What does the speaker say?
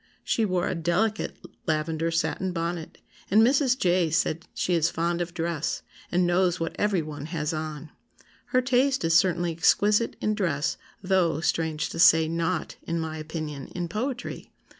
She wore a delicate lavender satin bonnet; and Mrs. J. says she is fond of dress, and knows what every one has on. Her taste is certainly exquisite in dress though (strange to say) not, in my opinion, in poetry.